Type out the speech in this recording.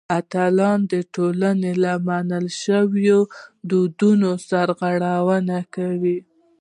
اتلان د ټولنې له منل شویو دودونو سرغړونه کوي.